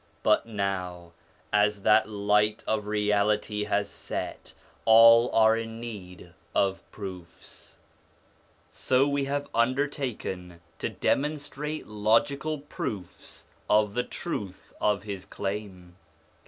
But now, as that Light of Reality has set, all are in need of proofs ; so we have undertaken to demonstrate logical proofs of the truth of his claim.